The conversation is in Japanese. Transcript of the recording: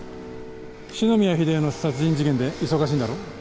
四ノ宮英夫の殺人事件で忙しいんだろ？